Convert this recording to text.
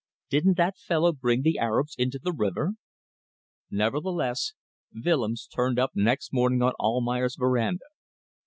Didn't that fellow bring the Arabs into the river! Nevertheless Willems turned up next morning on Almayer's verandah.